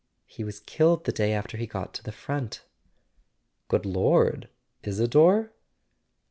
He was killed the day after he got to the front." "Good Lord—Isador?"